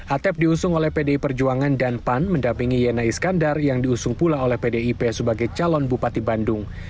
atep diusung oleh pdi perjuangan dan pan mendampingi yena iskandar yang diusung pula oleh pdip sebagai calon bupati bandung